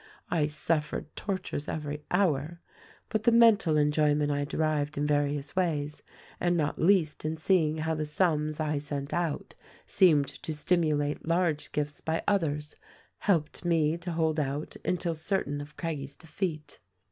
I suffered tortures every hour. But the mental enjoyment I derived in various ways, and not least in seeing how the sums I sent out seemed to stimulate large gifts by others, helped me to hold out until certain of Craggie's defeat.